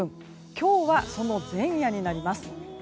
今日はその前夜になります。